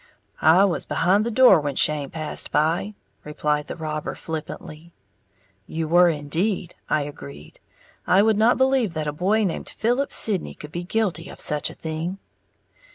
"I was behind the door when shame passed by," replied the robber, flippantly. "You were indeed," I agreed; "I would not believe that a boy named Philip Sidney could be guilty of such a thing."